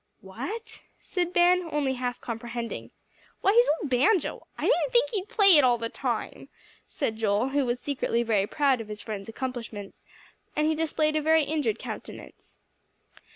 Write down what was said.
"What?" said Ben, only half comprehending. "Why, his old banjo. I didn't think he'd play it all the time," said Joel, who was secretly very proud of his friend's accomplishments; and he displayed a very injured countenance.